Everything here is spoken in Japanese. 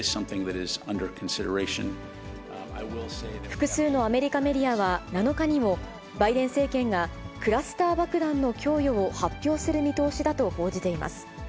複数のアメリカメディアは７日にも、バイデン政権がクラスター爆弾の供与を発表する見通しだと報じています。